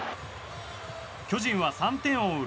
巨人は３点を追う